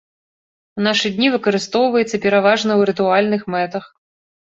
У нашы дні выкарыстоўваецца пераважна ў рытуальных мэтах.